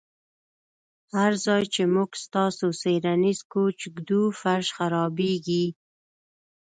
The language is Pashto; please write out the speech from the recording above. هر ځای چې موږ ستاسو څیړنیز کوچ ږدو فرش خرابیږي